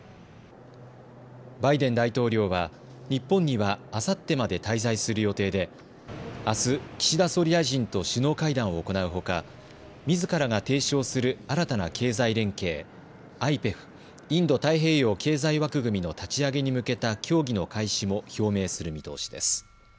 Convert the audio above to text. バイデン大統領は日本にはあさってまで滞在する予定であす岸田総理大臣と首脳会談を行うほかみずからが提唱する新たな経済連携、ＩＰＥＦ・インド太平洋経済枠組みの立ち上げに向けた協議の開始も表明する見通しです。